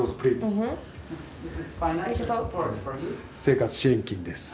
生活支援金です。